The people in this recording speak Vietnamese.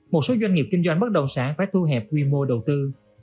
một số doanh nghiệp kinh doanh bất động sản phải thu hẹp quy mô đầu tư